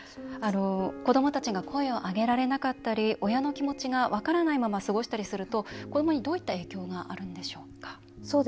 子どもたちが声を上げられなかったり親の気持ちが分からないまま過ごしたりすると子どもにどういった影響を与えるのでしょうか。